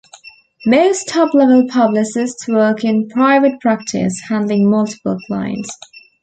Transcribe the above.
Most top-level publicists work in private practice, handling multiple clients.